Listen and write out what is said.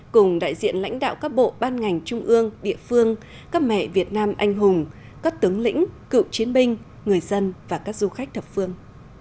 cùng đại diện lãnh đạo các bộ ban ngành trung ương địa phương các mẹ việt nam anh hùng các tướng lĩnh cựu chiến binh người dân và các du khách thập phương